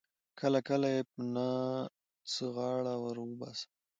کله کله یې په نه څه غاړه ور وباسم.